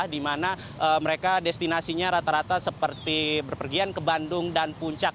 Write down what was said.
di mana mereka destinasinya rata rata seperti berpergian ke bandung dan puncak